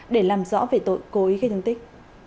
để làm rõ về tội cố ý gây thương tích